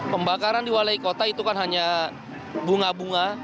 pembakaran di walai kota itu kan hanya bunga bunga